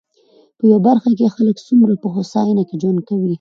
په يوه برخه کې يې خلک څومره په هوساينه کې ژوند کوي.